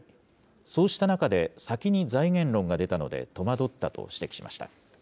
そうした中で先に財源論が出たので戸惑ったと指摘しました。